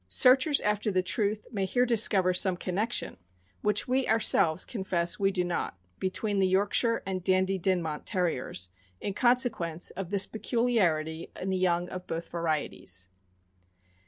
Searchers after the truth may here discover some connection, which we our selves confess we do not, between the Yorkshire and Dandy Dininont Terriers, in consequence of this peculiarity in the young of both varieties.